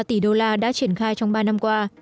ba tỷ đô la đã triển khai trong ba năm qua